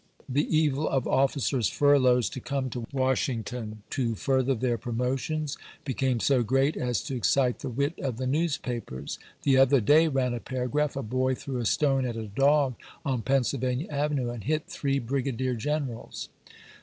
The evil of officers' furloughs to come to Washington to further their promotions became so great as to excite the wit of the newspapers. " The other day," ran a paragraph, " a boy threw a stone at a dog on Pennsylvania Avenue and hit three Brigadier Generals."